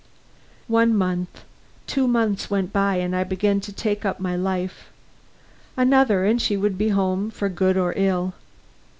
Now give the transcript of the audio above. One month, two months went by, and I began to take up my life. Another, and she would be home for good or ill.